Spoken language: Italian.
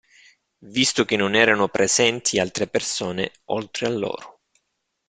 Visto che non erano presenti altre persone oltre loro.